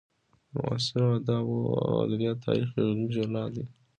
د معاصرو ادبیاتو تاریخ یو علمي ژورنال دی.